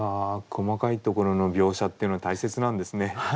細かいところの描写っていうのは大切なんですね。